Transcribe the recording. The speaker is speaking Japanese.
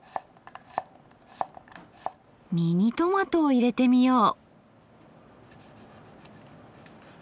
ミニトマトを入れてみよう。